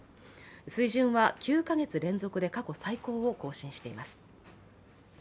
水準は９か月連続で過去最高を更新しています。